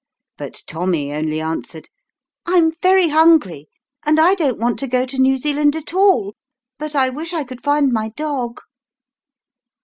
But Tommy only answered, " I'm very hungry, and I don't want to go to New Zealand at all, but I wish I could find my dog."